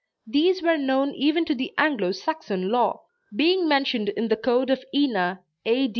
These were known even to the Anglo Saxon law, being mentioned in the code of Ina, A.